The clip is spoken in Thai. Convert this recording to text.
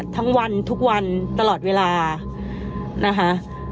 ทั้งวันทุกวันตลอดเวลานะคะ